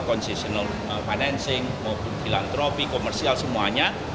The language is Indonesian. consitional financing maupun filantropi komersial semuanya